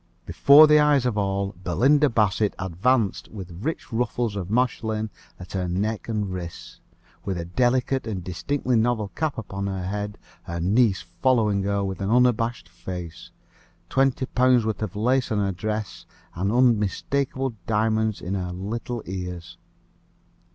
Before the eyes of all, Belinda Bassett advanced with rich ruffles of Mechlin at her neck and wrists, with a delicate and distinctly novel cap upon her head, her niece following her with an unabashed face, twenty pounds' worth of lace on her dress, and unmistakable diamonds in her little ears.